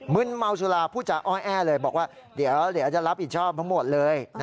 ึนเมาสุราผู้จาอ้อยแอ้เลยบอกว่าเดี๋ยวจะรับผิดชอบทั้งหมดเลย